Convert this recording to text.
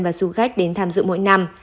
và du khách đến tham dự mỗi năm